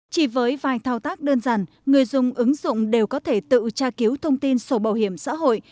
chỉ với vài thao tác đơn giản người dùng ứng dụng đều có thể tự tra cứu thông tin sổ bảo hiểm xã hội